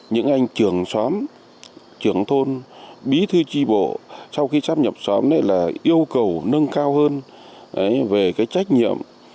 những anh trưởng xóm trưởng thôn bí thư tri bộ sau khi sắp nhập xóm này là yêu cầu nâng cao hơn về cái trách nhiệm